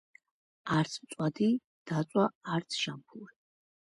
არც მწვადი დაწვა არც შამფური